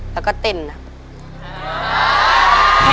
แล้วก็เต้นนะ